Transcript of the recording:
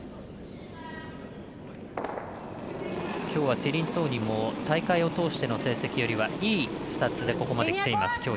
きょうはティリンツォーニも大会を通しての成績よりはいいスタッツでここまできています。